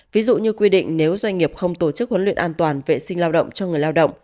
ví dụ như quy định nếu doanh nghiệp không tổ chức huấn luyện an toàn vệ sinh lao động cho người lao động